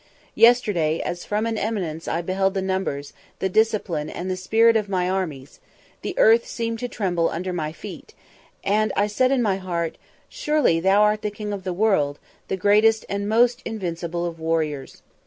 Yesterday, as from an eminence I beheld the numbers, the discipline, and the spirit, of my armies, the earth seemed to tremble under my feet; and I said in my heart, Surely thou art the king of the world, the greatest and most invincible of warriors.